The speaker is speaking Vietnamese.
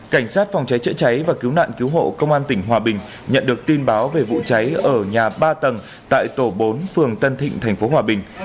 cảnh sát phòng cháy chữa cháy và cứu nạn cứu hộ công an tỉnh hòa bình nhận được tin báo về vụ cháy ở nhà ba tầng tại tổ bốn phường tân thịnh tp hòa bình